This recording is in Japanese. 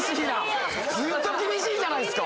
ずっと厳しいじゃないっすか！